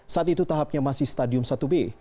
saat itu tahapnya masih stadium satu b